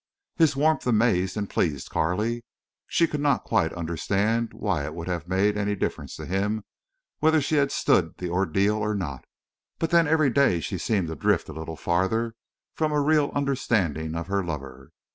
His warmth amazed and pleased Carley. She could not quite understand why it would have made any difference to him whether she had stood the ordeal or not. But then every day she seemed to drift a little farther from a real understanding of her lover.